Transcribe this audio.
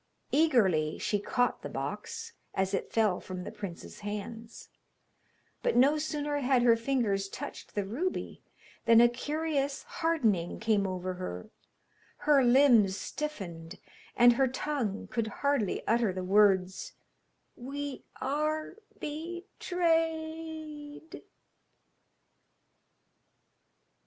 Eagerly she caught the box as it fell from the prince's hands, but no sooner had her fingers touched the ruby, than a curious hardening came over her, her limbs stiffened, and her tongue could hardly utter the words 'We are betrayed.'